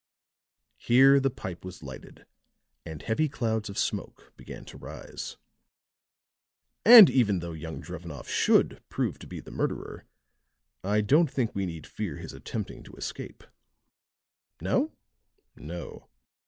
Here the pipe was lighted and heavy clouds of smoke began to rise. "And even though young Drevenoff should prove to be the murderer, I don't think we need fear his attempting to escape." "No?" "No.